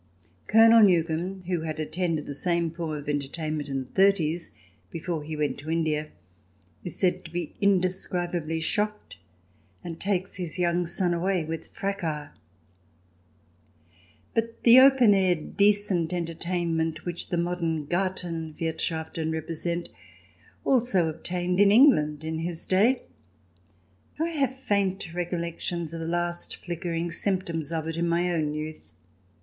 Colonel Newcome, who had attended the same form of entertainment in the 'thirties, before he went to India, is said to be indescribably shocked, and takes his young son away with fracas. 65 5 66 THE DESIRABLE ALIEN [ch. vi But the open air decent entertainment which the modern Garten Wirthschaften represent also ob tained in England in his day. I have faint recollections of the last flickering symptoms of it in my own youth.